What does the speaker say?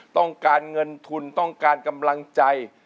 ต้องการเงินทุนต้องการกำลังใจ